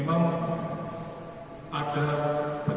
dengan isu isu dikembang